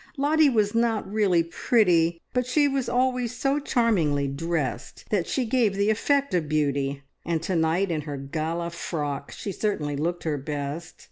Lottie was not really pretty, but she was always so charmingly dressed that she gave the effect of beauty, and to night in her gala frock she certainly looked her best.